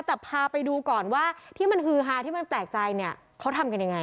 แต่พาไปดูก่อนว่าที่มันฮือฮาที่มันแปลกใจเนี่ยเขาทำกันยังไง